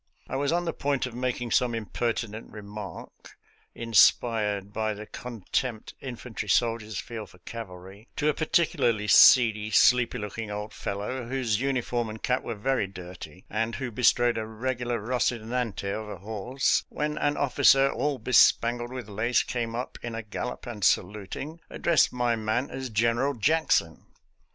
I was on the point of making some impertinent remark — inspired by the con tempt infantry soldiers feel for cavalry — ^to a particularly seedy, sleepy looking old fellow, whose uniform and cap were very dirty, and who bestrode a regular Eosinante of a horse, when an officer, all bespangled with lace, came up in a gallop and, saluting, addressed my man as Gen eral Jackson.